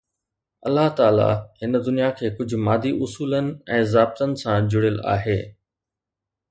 الله تعاليٰ هن دنيا کي ڪجهه مادي اصولن ۽ ضابطن سان جڙيل آهي